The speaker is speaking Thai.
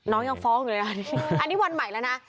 น้องยังฟ้องอยู่เลยกันอันนี้วันใหม่แล้วนะ